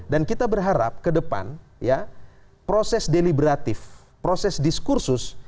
dan kita berharap ke depan proses deliberatif proses diskursus